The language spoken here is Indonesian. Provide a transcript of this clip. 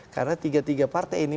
karena tiga tiga partai ini